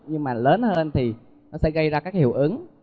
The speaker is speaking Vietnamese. nhưng mà lớn hơn thì nó sẽ gây ra các hiệu ứng